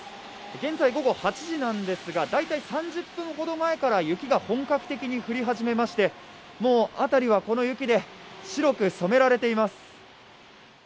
現在午後８時なんですがだいたい３０分ほど前から雪が本格的に降り始めまして、もう辺りはこの雪で白く染められています。